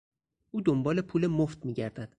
او دنبال پول مفت میگردد.